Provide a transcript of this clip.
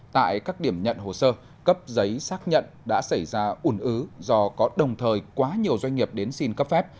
tại các điểm nhận hồ sơ cấp giấy xác nhận đã xảy ra ủn ứ do có đồng thời quá nhiều doanh nghiệp đến xin cấp phép